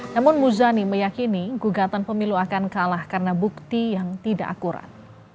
namun muzani meyakini gugatan pemilu akan kalah karena bukti yang tidak akurat